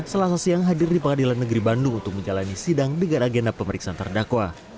selasa siang hadir di pengadilan negeri bandung untuk menjalani sidang dengan agenda pemeriksaan terdakwa